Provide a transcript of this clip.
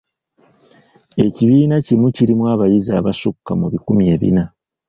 Ekibiina kimu kirimu abayizi abassukka mu bikumi ebina.